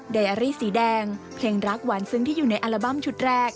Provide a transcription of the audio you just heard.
อารี่สีแดงเพลงรักหวานซึ้งที่อยู่ในอัลบั้มชุดแรก